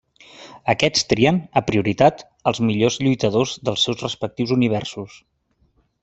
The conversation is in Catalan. Aquests trien, a prioritat, als millors lluitadors dels seus respectius Universos.